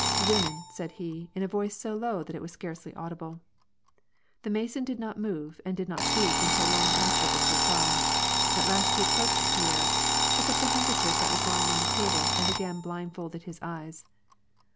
" Women," said he, in a voice so low that it was scarcely audible. The Mason did not move and did not speak until long after this reply. At last he approached Pierre, took up the handkerchief that was lying on the table, and again blind folded his eyes.